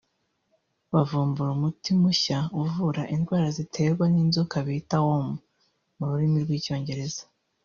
bavumbura umuti mushya uvura indwara ziterwa n’inzoka bita “worm” mu rurimi rw’Icyongereza